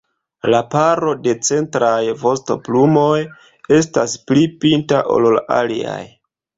La paro da centraj vostoplumoj estas pli pinta ol la aliaj.